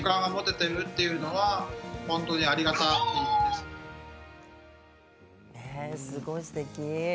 すごいすてき。